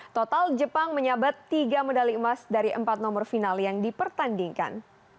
total jepang menyabat tiga medali emas dari empat nomor final yang dipertandingkan